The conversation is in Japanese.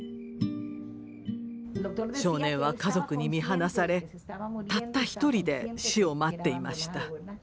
少年は家族に見放されたった一人で死を待っていました。